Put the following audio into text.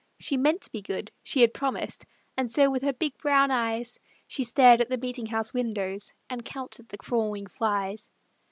She meant to be good; she had promised, And so with her big, brown eyes, She stared at the meetinghouse windows And counted the crawling flies.